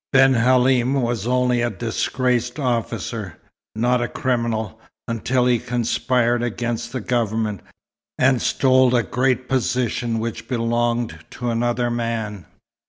"Ben Halim was only a disgraced officer, not a criminal, until he conspired against the Government, and stole a great position which belonged to another man.